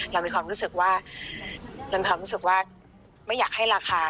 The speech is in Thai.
เรามีความรู้สึกว่ามันความรู้สึกว่าไม่อยากให้ราคา